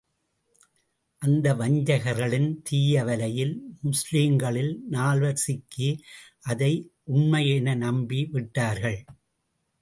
அந்த வஞ்சகர்களின் தீய வலையில், முஸ்லிம்களில் நால்வர் சிக்கி, அதை உண்மை என நம்பி விட்டார்கள்.